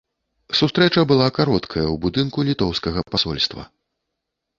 Сустрэча была кароткая, у будынку літоўскага пасольства.